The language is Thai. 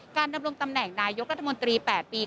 ดำรงตำแหน่งนายกรัฐมนตรี๘ปี